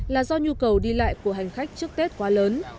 là do nhu cầu đi lại của hành khách trước tết quá lớn